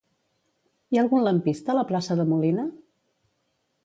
Hi ha algun lampista a la plaça de Molina?